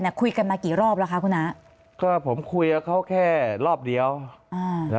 คุยกันมากี่รอบแล้วคะคุณน้าก็ผมคุยกับเขาแค่รอบเดียวอ่าแล้ว